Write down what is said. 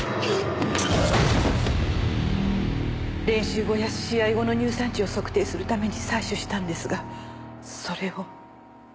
練習後や試合後の乳酸値を測定するために採取したんですがそれを。